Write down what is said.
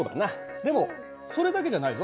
でもそれだけじゃないぞ。